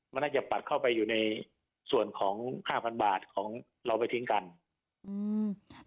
มันน่าจะปัดเข้าไปอยู่ในส่วนของห้าพันบาทของเราไปทิ้งกันอืม